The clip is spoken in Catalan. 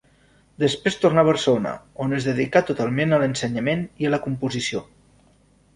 Després tornà a Barcelona, on es dedicà totalment a l'ensenyament i a la composició.